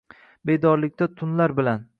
Bedorlikda tunlar bilan